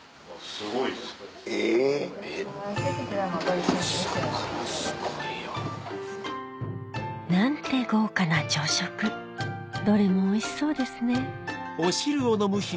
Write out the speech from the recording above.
・すごっ・・すごいよ・何て豪華な朝食どれもおいしそうですね